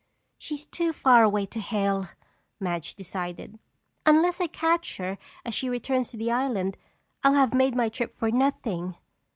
"She's too far away to hail," Madge decided. "Unless I catch her as she returns to the island, I'll have made my trip for nothing."